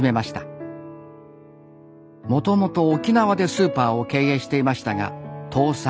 もともと沖縄でスーパーを経営していましたが倒産。